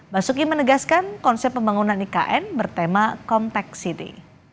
basuki menegaskan konsep pembangunan ikn bertema kompleksiti